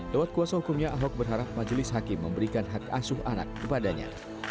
lewat kuasa hukumnya ahok berharap majelis hakim memberikan hak asuh anak kepadanya